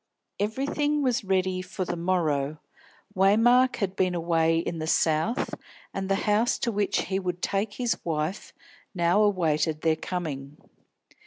Everything was ready for the morrow. Waymark had been away in the South, and the house to which he would take his wife now awaited their coming.